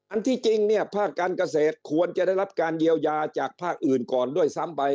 ที่จริงเนี่ยภาคการเกษตรควรจะได้รับการเยียวยาจากภาคอื่นก่อนด้วยซ้ำไป